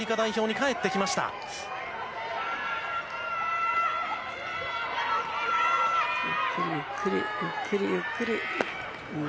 ゆっくり、ゆっくり。